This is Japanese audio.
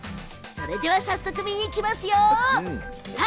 それでは早速見に行きますよ。